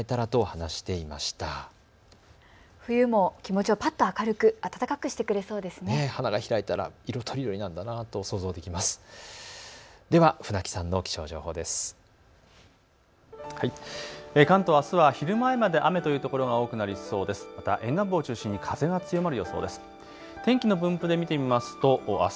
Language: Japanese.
関東、あすは昼前まで雨というところが多くなりそうです。